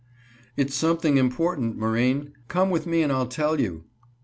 "It's something important, Marine; come with me and I'll tell you."